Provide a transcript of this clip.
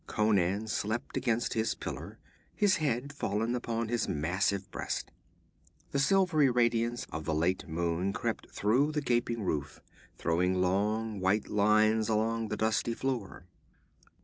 Conan slept against his pillar, his head fallen upon his massive breast. The silvery radiance of the late moon crept through the gaping roof, throwing long white lines along the dusty floor.